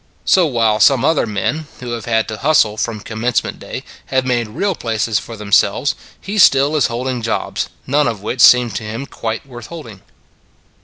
So while some other men, who have had to hustle from commence ment day, have made real places for them selves, he still is holding jobs none of which seem to him quite worth holding.